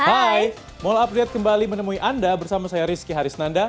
hai mohon apeliat kembali menemui anda bersama saya rizky harisnanda